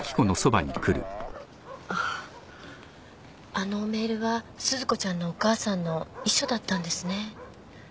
あのメールは鈴子ちゃんのお母さんの遺書だったんですね。